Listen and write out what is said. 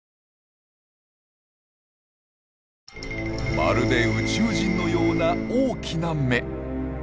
まるで宇宙人のような大きな目。